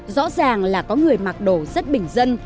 rõ ràng là có người mặc đồ rất bình dân